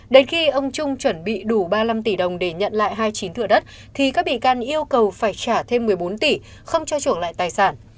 đến khi ông trung chuẩn bị đủ ba mươi năm tỷ đồng để nhận lại hai mươi chín thửa đất thì các bị can yêu cầu phải trả thêm một mươi bốn tỷ không cho trưởng lại tài sản